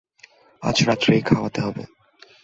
আজ রাত্রেই খাওয়াতে হবে।